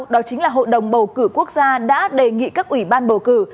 đó chính là hội đồng bầu cử quốc gia đã đề nghị các ủy ban bầu cử